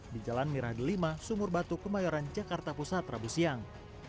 di jalan mirah delima sumur batu kemayoran jakarta pusat rabu siang